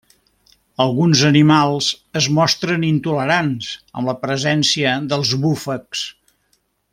Alguns animals es mostren intolerants amb la presència dels búfags.